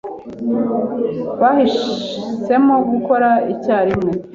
Bahisemo gukora icyarimwe